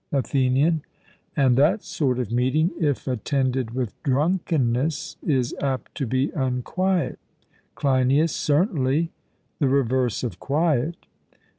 ATHENIAN: And that sort of meeting, if attended with drunkenness, is apt to be unquiet. CLEINIAS: Certainly; the reverse of quiet.